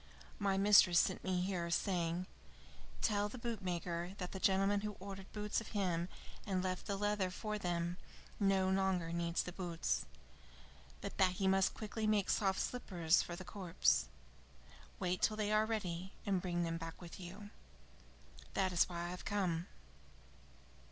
My mistress sent me here, saying: 'Tell the bootmaker that the gentleman who ordered boots of him and left the leather for them no longer needs the boots, but that he must quickly make soft slippers for the corpse. Wait till they are ready, and bring them back with you.' That is why I have come."